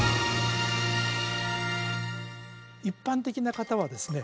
一般的な方はですね